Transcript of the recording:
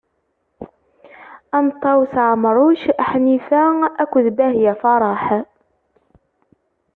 Am Ṭawes Ɛemruc, Ḥnifa akk d Bahya Faraḥ.